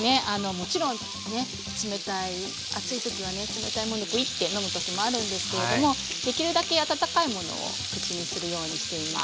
もちろんね冷たい暑い時はね冷たいものをグイッて飲む時もあるんですけれどもできるだけ温かいものを口にするようにしています。